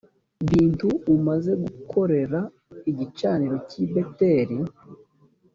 bintu umaze gukorera igicaniro cy i beteli